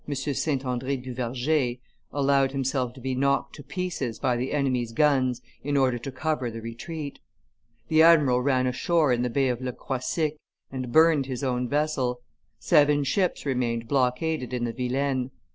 St. Andre du Verger, allowed himself to be knocked to pieces by the enemy's guns in order to cover the retreat. The admiral ran ashore in the Bay of Le Croisic and burned his own vessel; seven ships remained blockaded in the Vilaine.